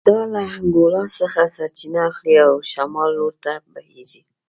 دا له انګولا څخه سرچینه اخلي او شمال لور ته بهېږي